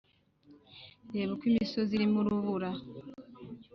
reba uko imisozi irimo urubura